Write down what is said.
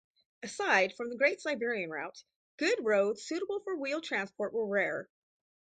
Aside from the Great Siberian Route, good roads suitable for wheeled transport were rare.